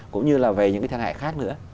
cũng như là về những cái thiệt hại khác nữa